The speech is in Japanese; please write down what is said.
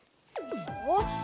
よし！